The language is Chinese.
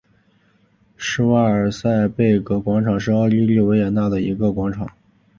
施瓦岑贝格广场是奥地利维也纳的一个广场。